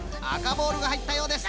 ボールがはいったようです。